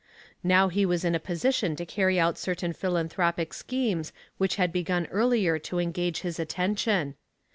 Now he was in a position to carry out certain philanthropic schemes which had begun earlier to engage his attention.